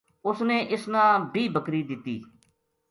اُس نے اس نا بیہہ بکری دِتی